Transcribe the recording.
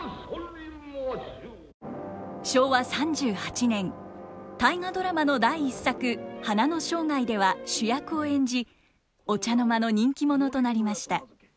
昭和３８年「大河ドラマ」の第１作「花の生涯」では主役を演じお茶の間の人気者となりました。